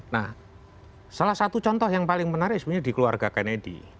nah salah satu contoh yang paling menarik sebenarnya di keluarga kennedy